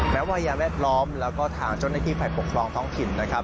แม้วัยยาแวดล้อมแล้วก็ทางจนที่ฝ่ายปกครองท้องขินทร์